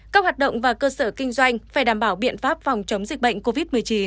các hoạt động và cơ sở kinh doanh phải đảm bảo biện pháp phòng chống dịch bệnh covid một mươi chín